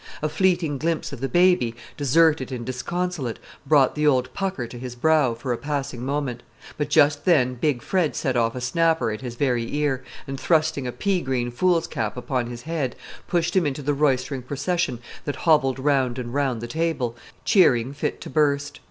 A fleeting glimpse of the baby, deserted and disconsolate, brought the old pucker to his brow for a passing moment; but just then big Fred set off a snapper at his very ear, and thrusting a pea green fool's cap upon his head, pushed him into the roistering procession that hobbled round and round the table, cheering fit to burst.